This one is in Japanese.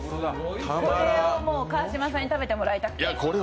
これは川島さんに食べてもらいたくて。